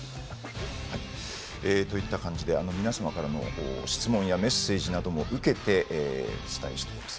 皆様からの質問やメッセージなども受けてお伝えしています。